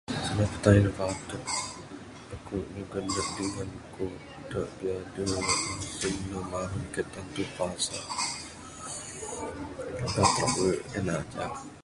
Sanda pitayen da patut aku nyugon neg dingan ku dadu [unintelligible] kaik tantu pasal aba trawe en aja.